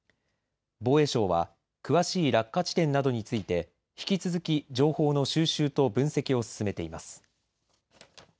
防衛省は詳しい落下地点などについて引き続き情報の収集と分析を進めています。